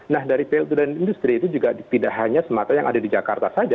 nah dari po dua dan industri itu juga tidak hanya semata yang ada di jakarta saja